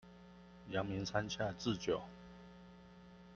陽明山下智久